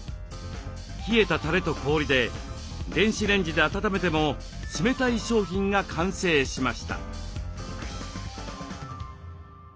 冷えたたれと氷で電子レンジで温めても冷たい商品が完成しました。